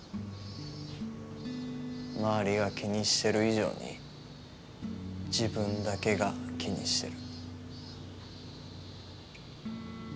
周りが気にしてる以上に自分だけが気にしてる。